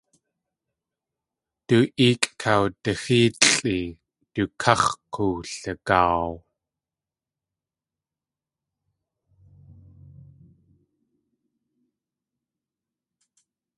Du kéekʼ kawdaxéelʼi du káx̲ k̲oowligaaw.